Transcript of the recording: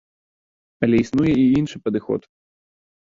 Але існуе і іншы падыход.